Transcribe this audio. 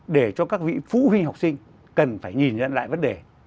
để cho các vị phụ huynh học sinh cần phải nhìn nhận lại vấn đề